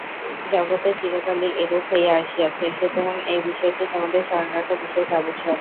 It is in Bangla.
জগতে চিরকালই এরূপ হইয়া আসিয়াছে, সুতরাং এই বিষয়টি তোমাদের স্মরণ রাখা বিশেষ আবশ্যক।